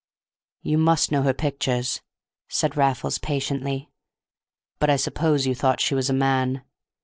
"You must know her pictures," said Raffles, patiently; "but I suppose you thought she was a man.